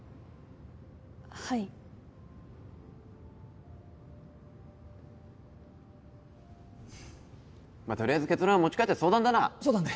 はいとりあえず結論は持ち帰って相談だなそうだね